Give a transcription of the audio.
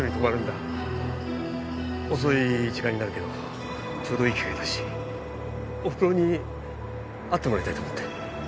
遅い時間になるけどちょうどいい機会だしおふくろに会ってもらいたいと思って。